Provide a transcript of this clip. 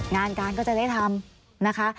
งานการก็จะได้ทำนะคะ